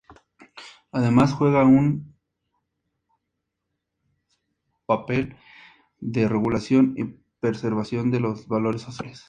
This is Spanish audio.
Además, juega un papel de regulación y preservación de los valores sociales.